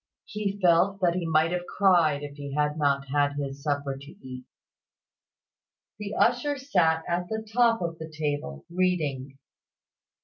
He felt that he might have cried if he had not had his supper to eat. The usher sat at the top of the table, reading.